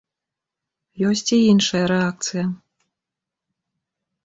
Ёсць і іншая рэакцыя.